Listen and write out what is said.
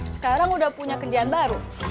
sekarang udah punya kerjaan baru